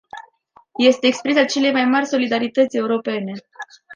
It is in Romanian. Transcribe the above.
Este expresia celei mai mari solidarități europene.